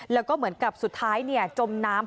แล้วก็เหมือนกับสุดท้ายจมน้ำ